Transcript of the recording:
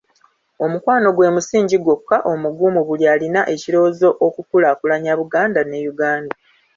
Omukwano gwe musingi gwokka omugumu buli alina ekirowoozo okukulaakulanya Buganda ne Uganda.